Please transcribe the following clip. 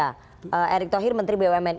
pak erick thohir menteri bumn